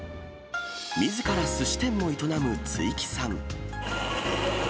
みずからすし店を営む築城さん。